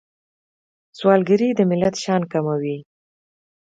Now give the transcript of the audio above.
سوالګري د ملت شان کموي